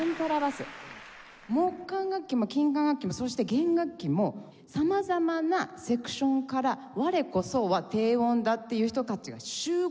木管楽器も金管楽器もそして弦楽器も様々なセクションから我こそは低音だっていう人たちが集合してるんですよ。